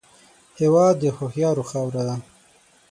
هېواد د هوښیارو خاوره ده